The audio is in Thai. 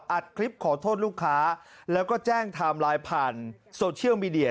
อัดคลิปขอโทษลูกค้าแล้วก็แจ้งไทม์ไลน์ผ่านโซเชียลมีเดีย